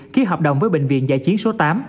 ký hợp đồng với bệnh viện giải chiến số tám